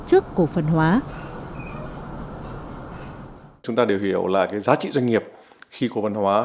trước cổ phân hóa